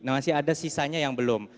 masih ada sisanya yang belum